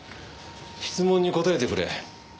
質問に答えてくれ。